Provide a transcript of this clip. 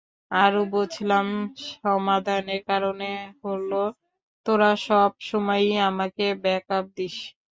আর বুঝলাম সমাধানের কারণ হলো তোরা সবসময়ই আমাকে ব্যাকআপ দিস।